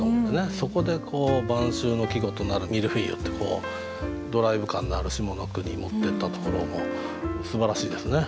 そこで「晩秋の季語となるミルフィーユ」ってドライブ感のある下の句に持ってったところもすばらしいですね。